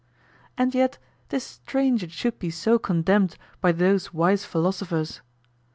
And yet 'tis strange it should be so condemned by those wise philosophers.